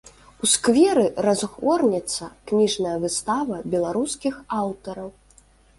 У скверы разгорнецца кніжная выстава беларускіх аўтараў.